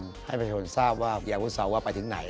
ให้ประชาตนศาสตร์ทรวณทราบว่าอีหรัยวุธสอบว่าไปถึงไหน